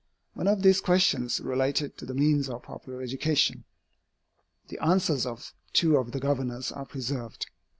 One of these questions related to the means of popular education. The answers of two of the Governors are preserved.